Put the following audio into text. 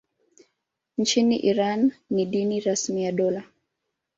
Nchini Iran ni dini rasmi ya dola.